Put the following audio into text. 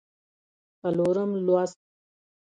څلورم لوست